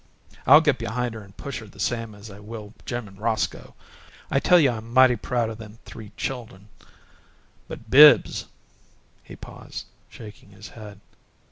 I'll get behind her and push her the same as I will Jim and Roscoe. I tell you I'm mighty proud o' them three chuldern! But Bibbs " He paused, shaking his head.